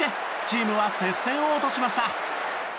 チームは接戦を落としました。